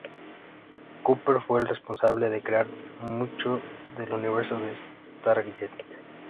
Cooper fue el responsable de crear mucho del universo de "Stargate".